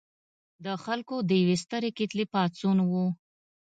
د خلکو د یوې سترې کتلې پاڅون و.